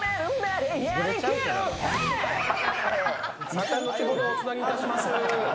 また後ほどおつなぎいたします。